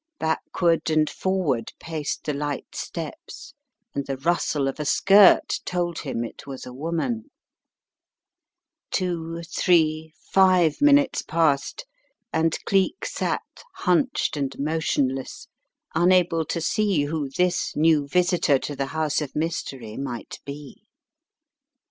Back ward and forward paced the light steps, and the rustle of a skirt told him it was a woman. Two, H9l Tis a Mad World, My Masters" 251 three, five minutes passed, and Cleek sat hunched and motionless, unable to see who this new visitor to the house of mystery might be.